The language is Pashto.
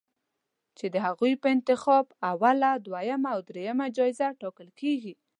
چې د هغوی په انتخاب اوله، دویمه او دریمه جایزه ټاکل کېږي